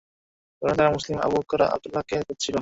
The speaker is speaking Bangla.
বরং তারা মুসলিম আবু বকর আবদুল্লাহকে খুঁজছিল।